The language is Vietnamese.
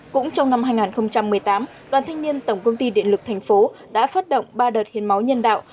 cũng trong năm hai nghìn một mươi tám đoàn thanh niên tổng công ty điện lực thành phố đã phát động ba đợt hiến máu nhân đạo